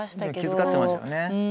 気遣ってましたよね。